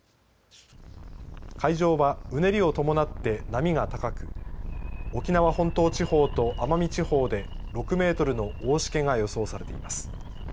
海上はうねりを伴って波が高く沖縄本島地方と奄美地方で６メートルの大しけが予想されています。